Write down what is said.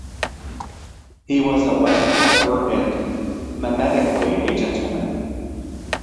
He was a West Pointer, and, mimetically, a gentleman.